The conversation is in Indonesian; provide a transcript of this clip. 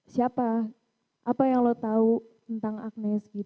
siapa apa yang lo tahu tentang agnes